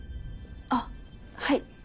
あっはい。